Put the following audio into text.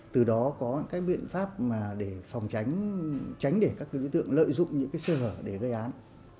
từ đó có các biện pháp để phòng tránh tránh để các đối tượng lợi dụng những sơ hở để gây án